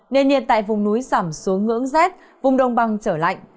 nền nhiệt tại vùng núi giảm xuống ngưỡng rét vùng đồng bằng trở lạnh